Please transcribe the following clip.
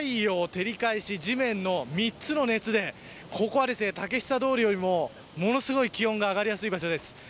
照り返し、地面の３つの熱でここは、竹下通りよりもものすごい気温が上がりやすい場所です。